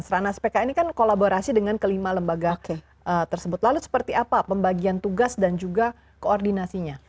ranah spk ini kan kolaborasi dengan kelima lembaga tersebut lalu seperti apa pembagian tugas dan juga koordinasinya